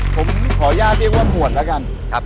ผมขออนุญาตเรียกว่าหมวดแล้วกัน